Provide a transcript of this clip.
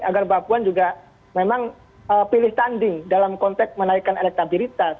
agar mbak puan juga memang pilih tanding dalam konteks menaikkan elektabilitas